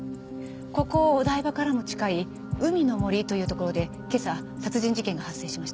ここお台場からも近い海の森という所で今朝殺人事件が発生しました。